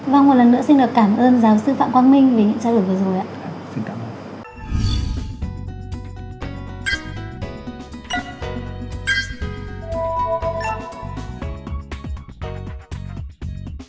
vâng một lần nữa xin được cảm ơn giáo sư phạm quang minh vì những trả lời vừa rồi ạ